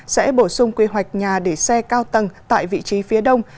sẽ bổ sung quy hoạch nhà để xe cao tầng tại vị trí phía đông